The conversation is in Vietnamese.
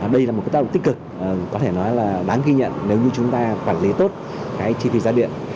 đây là một cái tác động tích cực có thể nói là đáng ghi nhận nếu như chúng ta quản lý tốt cái chi phí giá điện